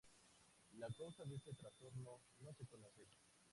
La causa de este trastorno no se conoce.